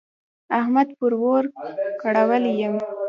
احمد پر اور کړولی يم.